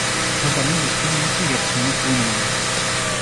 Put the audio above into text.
Heddren ad as-tiniḍ mačči gar tselmadt d unelmad.